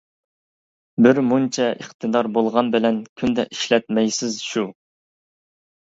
بىر مۇنچە ئىقتىدار بولغان بىلەن، كۈندە ئىشلەتمەيسىز شۇ.